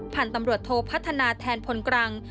พันธุ์ตำรวจโทพัฒนาแทนพลกรัง